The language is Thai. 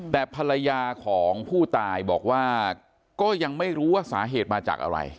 แต่ภรรยาของผู้ตายบอกว่าก็ยังไม่รู้ว่าสาเหตุมาจากอะไร